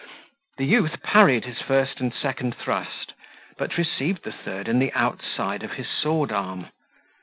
The youth parried his first and second thrust, but received the third in the outside of his sword arm.